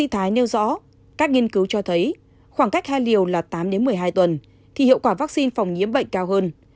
thái nêu rõ các nghiên cứu cho thấy khoảng cách hai liều là tám một mươi hai tuần thì hiệu quả vaccine phòng nhiễm bệnh cao hơn